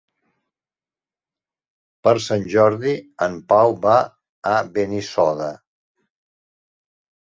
Per Sant Jordi en Pau va a Benissoda.